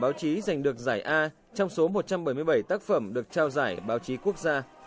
báo chí giành được giải a trong số một trăm bảy mươi bảy tác phẩm được trao giải báo chí quốc gia